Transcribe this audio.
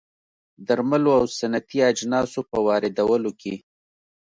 درملو او صنعتي اجناسو په واردولو کې